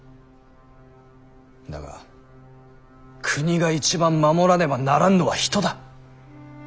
だが国が一番守らねばならぬのは人だ。